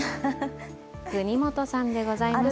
國本さんでございます。